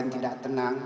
yang tidak tenang